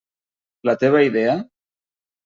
La teva idea?